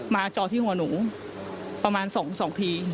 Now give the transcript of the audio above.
จอที่หัวหนูประมาณ๒ที